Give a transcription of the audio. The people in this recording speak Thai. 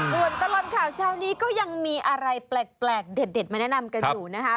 ส่วนตลอดข่าวเช้านี้ก็ยังมีอะไรแปลกเด็ดมาแนะนำกันอยู่นะคะ